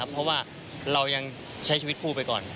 เพราะว่าเรายังใช้ชีวิตคู่ไปก่อน